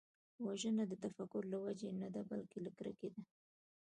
وژنه د تفکر له وجې نه ده، بلکې له کرکې ده